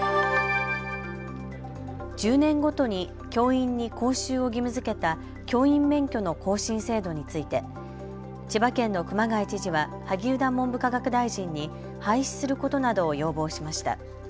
１０年ごとに教員に講習を義務づけた教員免許の更新制度について千葉県の熊谷知事は萩生田文部科学大臣に廃止することなどを要望しました。